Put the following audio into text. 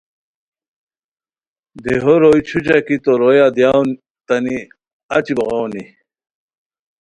دیہو روئے چھوچہ کی تو رویا دیاؤ اوتانی اچی بوغاؤنی